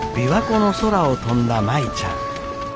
琵琶湖の空を飛んだ舞ちゃん。